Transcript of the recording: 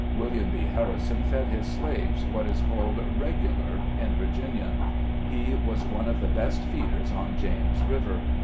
William B. Harrison fed his slaves what is called "regular" in Virginia; he was one of the best feeders on James River.